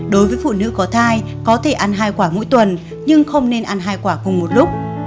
đối với phụ nữ có thai có thể ăn hai quả mỗi tuần nhưng không nên ăn hai quả cùng một lúc